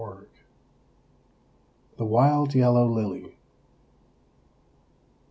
] THE WILD YELLOW LILY.